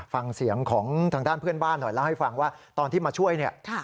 ฟังเสียงของทางด้านเพื่อนบ้านหน่อยเล่าให้ฟังว่าตอนที่มาช่วยเนี่ย